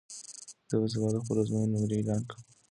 زه به سبا د خپلو ازموینو نمرې اعلان کړم.